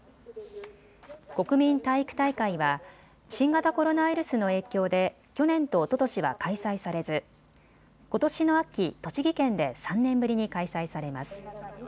国民体育大会は新型コロナウイルスの影響で去年とおととしは開催されずことしの秋、栃木県で３年ぶりに開催されます。